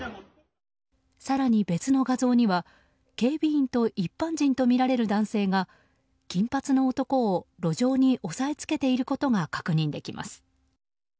更に別の画像には警備員と一般人とみられる男性が金髪の男を路上に押さえつけていることが確認できます。